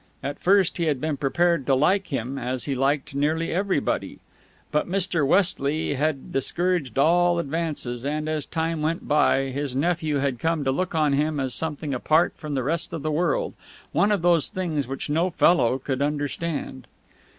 At first, he had been prepared to like him, as he liked nearly everybody. But Mr. Westley had discouraged all advances, and, as time went by, his nephew had come to look on him as something apart from the rest of the world, one of those things which no fellow could understand.